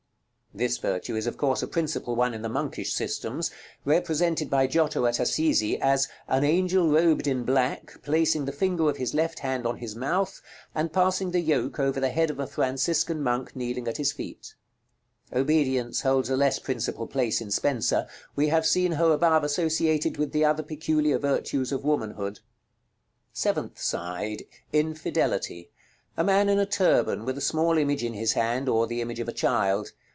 This virtue is, of course, a principal one in the monkish systems; represented by Giotto at Assisi as "an angel robed in black, placing the finger of his left hand on his mouth, and passing the yoke over the head of a Franciscan monk kneeling at his feet." Obedience holds a less principal place in Spenser. We have seen her above associated with the other peculiar virtues of womanhood. § LXXV. Seventh side. Infidelity. A man in a turban, with a small image in his hand, or the image of a child.